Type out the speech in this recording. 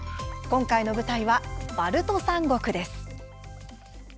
今回の舞台は、バルト三国です。